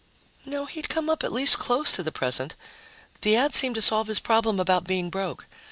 No, he'd come up at least close to the present. The ad seemed to solve his problem about being broke.